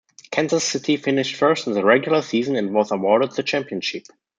Kansas City finished first in the regular season and was awarded the championship.